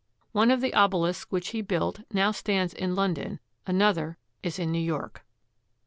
One of the obelisks which he built now stands in London; another is in New York.